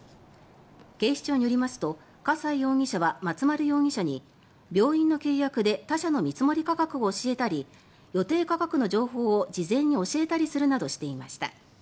警視庁によりますと笠井容疑者は松丸容疑者に病院の契約で他社の見積価格を教えたり予定価格の情報を事前に教えたりするなどしていました。